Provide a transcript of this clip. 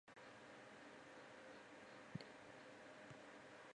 西明石车站所经营的铁路车站。